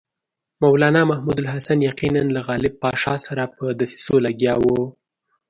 مولنا محمود الحسن یقیناً له غالب پاشا سره په دسیسو لګیا وو.